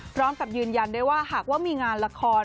พร้อมกับยืนยันด้วยว่าหากว่ามีงานละคร